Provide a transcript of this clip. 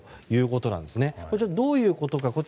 これ、どういうことか。